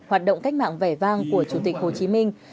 hoạt động cách mạng vẻ vang của chủ tịch hồ chí minh